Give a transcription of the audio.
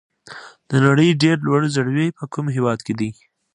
د نړۍ ډېر لوړ ځړوی په کوم هېواد کې دی؟